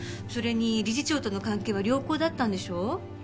それに理事長との関係は良好だったんでしょ？